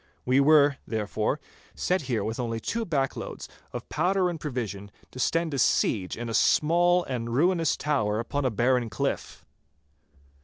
We were, therefore, set here with only two backloads of powder and provisions to stand a siege in a small and ruinous tower upon a barren cliff.